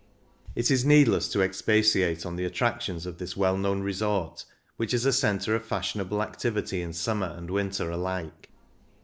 It is needless to expatiate on the attractions of this well known resort, which is a centre of fashion able activity in summer and winter alike.